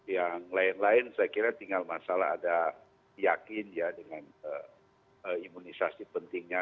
yang lain lain saya kira tinggal masalah ada yakin ya dengan imunisasi pentingnya